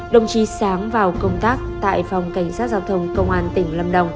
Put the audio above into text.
đồng chí sáng vào công tác tại phòng cảnh sát giao thông công an tỉnh lâm đồng